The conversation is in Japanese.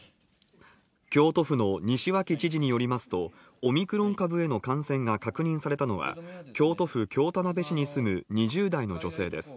京都府の西脇知事によりますと、オミクロン株への感染が確認されたのは、京都府京田辺市に住む２０代の女性です。